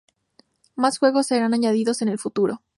Más juegos serán añadidos en el futuro.